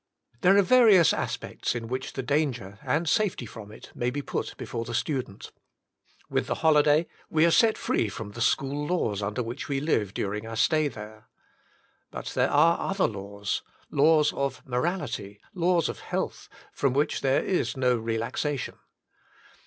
There are various aspects in which the danger, and safety from it, may be put before the student. With the holiday we are set free from the school laws under which we live during our stay there. But there are other laws: laws of morality, laws of health, from which there is no relaxation.